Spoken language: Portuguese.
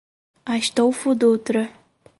Astolfo Dutra